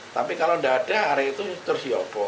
tapi kalau enggak ada arah itu terus yoboh